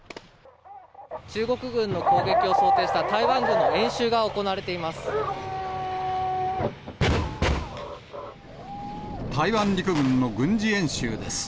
中国軍の攻撃を想定した台湾軍の演習が行われています。